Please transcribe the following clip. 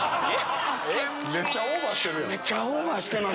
めっちゃオーバーしてる。